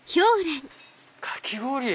かき氷